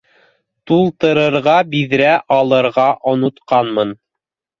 Тултырырға биҙрә алырға онотҡанмын